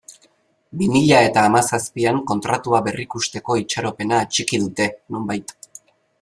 Bi mila eta hamazazpian Kontratua berrikusteko itxaropena atxiki dute, nonbait.